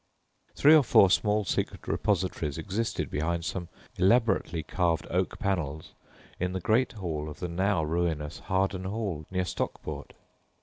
Three or four small secret repositories existed behind some elaborately carved oak panels in the great hall of the now ruinous Harden Hall, near Stockport.